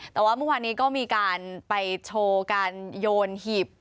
แต่ว่าเมื่อวานนี้ก็มีการไปโชว์การโยนหีบ